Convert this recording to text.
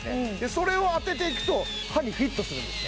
それを当てていくと歯にフィットするんですね